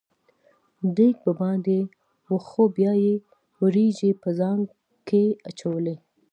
دېګ به باندې و خو بیا یې وریجې په خانک کې اچولې.